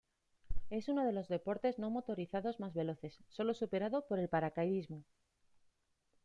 Es uno de los deportes no motorizados más veloces sólo superado por el paracaidismo.